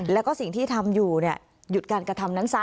แล้วก็สิ่งที่ทำอยู่หยุดการกระทำนั้นซะ